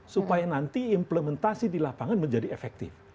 supaya nanti implementasi di lapangan menjadi efektif